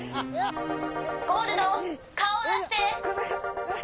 「ゴールドかおをだして！」。